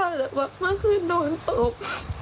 แต่ว่าเมื่อคืนโดนตบ